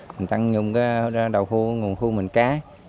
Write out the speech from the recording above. mình tặng dụng cái đầu khu nguồn khu mình cá